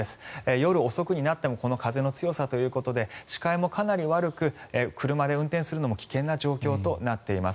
夜遅くになってもこの風の強さということで視界もかなり悪く車で運転するのも危険な状況となっています。